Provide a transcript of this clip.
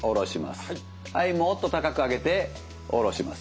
はいもっと高く上げて下ろします。